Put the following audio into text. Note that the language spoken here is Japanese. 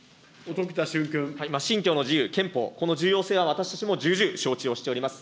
信教の自由、憲法、この重要性は私も重々承知をしております。